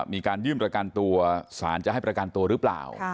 มีการยื่นประกันตัวสารจะให้ประกันตัวหรือเปล่า